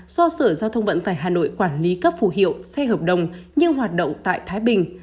do sở giao thông vận tải hà nội quản lý cấp phù hiệu xe hợp đồng nhưng hoạt động tại thái bình